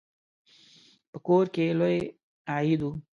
په کور کې لوی عید و.